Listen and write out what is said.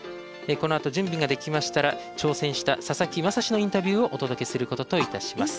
このあと準備ができましたら挑戦した佐々木真志のインタビューをお届けすることといたします。